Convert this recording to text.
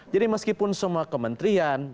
jadi meskipun semua kementrian